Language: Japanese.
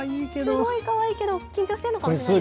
すごいかわいいけど緊張してるのかもね。